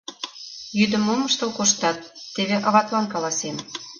Йӱдым мом ыштыл коштат, теве аватлан каласем!